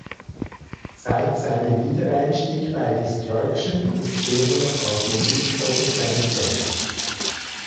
Seit seinem Wiedereinstieg bei Destruction ist Schirmer als Musikproduzent tätig.